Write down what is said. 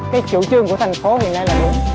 cái chủ trương của thành phố hiện nay là đúng